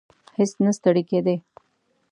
هیڅ نه ستړی کېدی.